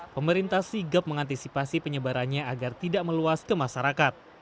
pemerintah sigap mengantisipasi penyebarannya agar tidak meluas ke masyarakat